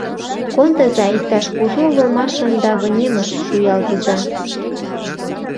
Кондыза иктаж кужу ломашым да вынемыш шуялтыза...